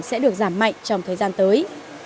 sẽ được giảm mạnh trong thời gian tới